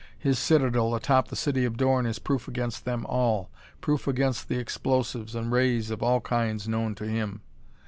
His citadel atop the city of Dorn is proof against them all; proof against explosives and rays of all kinds known to him.